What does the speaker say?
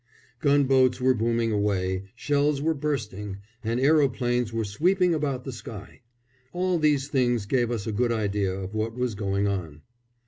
Gunboats were booming away, shells were bursting, and aeroplanes were sweeping about the sky. All these things gave us a good idea of what was going on.